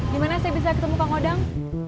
gimana saya bisa ketemu kang odang